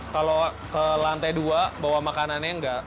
kalau ke lantai dua bawa makanannya enggak